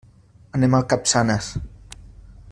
Anem a Capçanes.